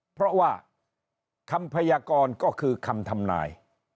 เพราะว่าคำพยากรก็คือคำทำนาย